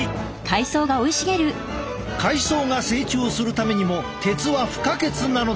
海藻が成長するためにも鉄は不可欠なのだ。